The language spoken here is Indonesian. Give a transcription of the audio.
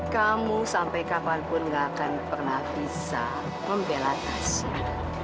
kamu sampai kapanpun nggak akan pernah bisa membela tasya